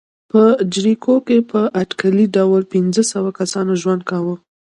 په جریکو کې په اټکلي ډول پنځه سوه کسانو ژوند کاوه.